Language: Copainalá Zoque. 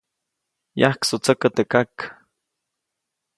-Yajksutsäkä teʼ kak.-